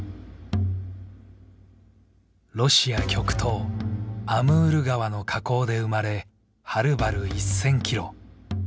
ロシア極東アムール川の河口で生まれはるばる１，０００キロ。